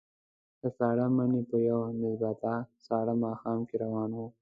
د ساړه مني په یوه نسبتاً ساړه ماښام کې روان وو.